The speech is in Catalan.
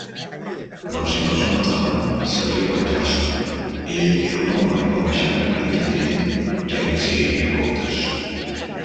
Però si no es matava, sabria venjar-se; ell era un home i quan baixara aquell tinent, ja li exigiria comptes.